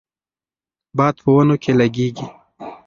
باد په ونو کې لګیږي.